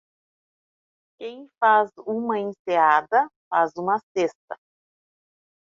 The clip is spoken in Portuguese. Quem faz uma enseada, faz uma cesta.